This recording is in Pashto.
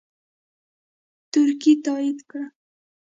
ترکیې تایید کړه